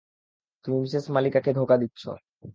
তুমি মিসেস মালিকাকে ধোকা দিচ্ছ।